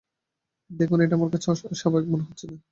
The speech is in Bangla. দেখুন, এটা আমার কাছে স্বাভাবিক মনে হচ্ছে না।